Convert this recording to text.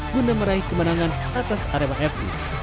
guna meraih kemenangan atas arema fc